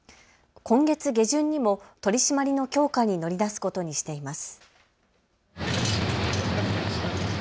今月下旬にも取り締まりの強化に乗り出すことにしています。